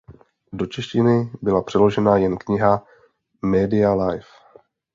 Do češtiny byla přeložena jen kniha Media Life.